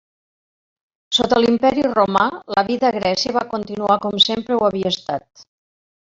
Sota l'Imperi romà la vida a Grècia va continuar com sempre ho havia estat.